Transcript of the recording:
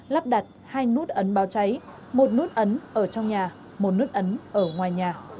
lắp đặt hai nút ấn báo cháy một nút ấn ở trong nhà một nút ấn ở ngoài nhà